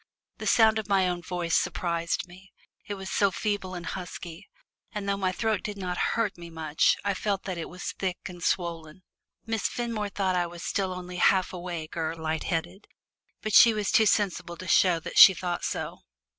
The sound of my own voice surprised me, it was so feeble and husky, and though my throat did not hurt me much I felt that it was thick and swollen. Miss Fenmore thought I was still only half awake or light headed, but she was too sensible to show that she thought so.